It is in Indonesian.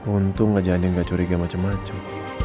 untung aja andi gak curiga macem macem